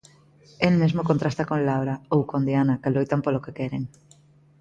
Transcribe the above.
El mesmo contrasta con Laura, ou con Diana, que loitan polo que queren.